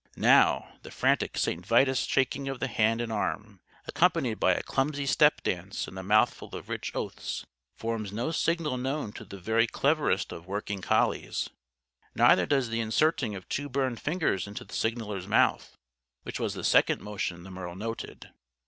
Now, the frantic St. Vitus shaking of the hand and arm, accompanied by a clumsy step dance and a mouthful of rich oaths, forms no signal known to the very cleverest of "working" collies. Neither does the inserting of two burned fingers into the signaler's mouth which was the second motion the Merle noted.